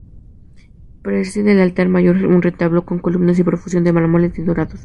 Preside el altar mayor un retablo con columnas y profusión de mármoles y dorados.